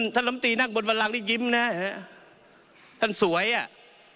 ท่านล้ำตีนั่งบนฝรั่งด้วยยิ้มนะท่านสวยอ่ะ